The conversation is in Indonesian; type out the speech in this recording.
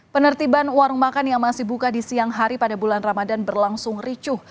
penertiban warung makan yang masih buka di siang hari pada bulan ramadan berlangsung ricuh